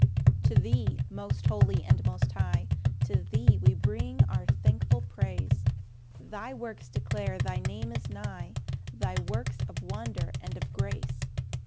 1 To thee, most holy, and most high, To thee, we bring our thankful praise; Thy works declare thy name is nigh, Thy works of wonder and of grace.